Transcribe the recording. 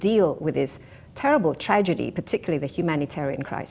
dan menghadapi tragedi teruk ini terutama krisis humanitaris